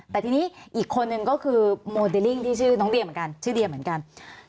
แต่ทีนี้อีกคนหนึ่งก็คือโมเดลลิ่งที่ชื่อน้องเดียเหมือนกัน